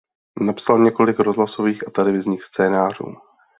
Napsal několik rozhlasových a televizních scénářů.